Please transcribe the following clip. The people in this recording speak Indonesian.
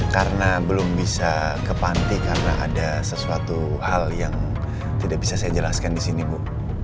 karena belum bisa ke panti karena ada sesuatu hal yang tidak bisa saya jelaskan disini bu